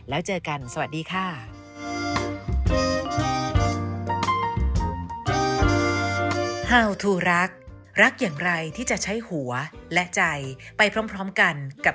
แล้วเจอกันสวัสดีค่ะ